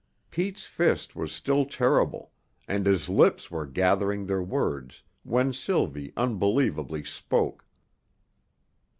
Pete's fist was still terrible, and his lips were gathering their words, when Sylvie unbelievably spoke.